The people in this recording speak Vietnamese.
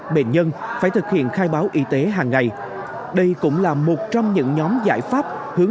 bệnh nhân phải thực hiện khai báo y tế hàng ngày đây cũng là một trong những nhóm giải pháp hướng